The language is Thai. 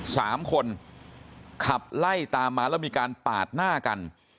สามคนขับไล่ตามมาแล้วมีการปาดหน้ากัน